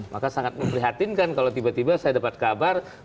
maka sangat memprihatinkan kalau tiba tiba saya dapat kabar